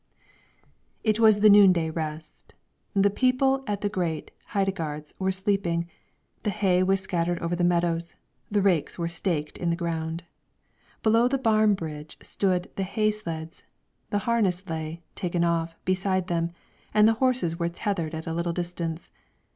It was during the noonday rest; the people at the great Heidegards were sleeping, the hay was scattered over the meadows, the rakes were staked in the ground. Below the barn bridge stood the hay sleds, the harness lay, taken off, beside them, and the horses were tethered at a little distance.